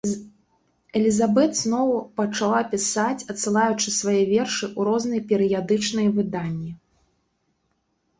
Элізабет зноў пачала пісаць, адсылаючы свае вершы ў розныя перыядычныя выданні.